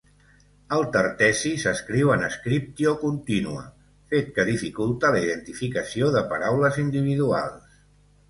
El tartessi s'escriu en "scriptio continua", fet que dificulta la identificació de paraules individuals.